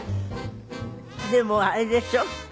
でもあれでしょ？